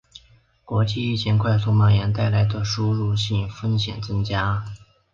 国际疫情快速蔓延带来的输入性风险增加